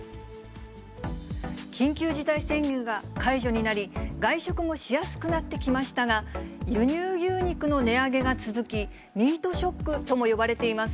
緊急事態宣言が解除になり、外食もしやすくなってきましたが、輸入牛肉の値上げが続き、ミートショックとも呼ばれています。